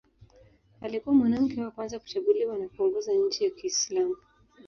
Alikuwa mwanamke wa kwanza kuchaguliwa na kuongoza nchi ya Kiislamu.